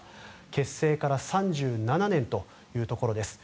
結成から３７年というところです。